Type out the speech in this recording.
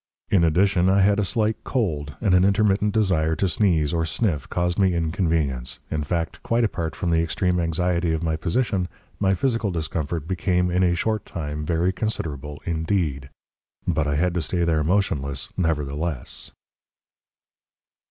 In addition I had a slight cold, and an intermittent desire to sneeze or sniff caused me inconvenience. In fact, quite apart from the extreme anxiety of my position, my physical discomfort became in a short time very considerable indeed. But I had to stay there motionless, nevertheless."